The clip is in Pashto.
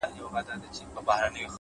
نیک اخلاق د انسان وقار لوړوي’